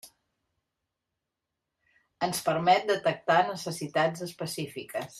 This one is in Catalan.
Ens permet detectar necessitats específiques.